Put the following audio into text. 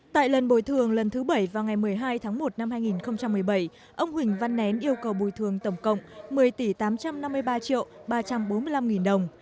tại lần bồi thường lần thứ bảy vào ngày một mươi hai tháng một năm hai nghìn một mươi bảy ông huỳnh văn nén yêu cầu bồi thường tổng cộng một mươi tỷ tám trăm năm mươi ba triệu ba trăm bốn mươi năm nghìn đồng